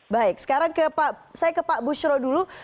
baik sekarang saya ke pak bushro dulu